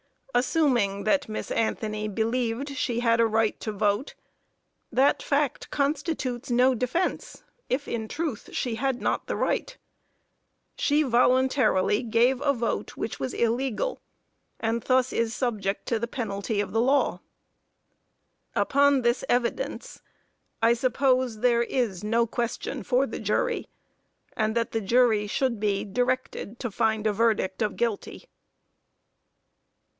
Assuming that Miss Anthony believed she had a right to vote, that fact constitutes no defense if in truth she had not the right. She voluntarily gave a vote which was illegal, and thus is subject to the penalty of the law. Upon this evidence I suppose there is no question for the jury and that the jury should be directed to find a verdict of guilty.